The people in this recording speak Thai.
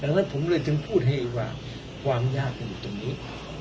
ดังนั้นผมเลยถึงพูดให้อีกว่าความยากอยู่ตรงนี้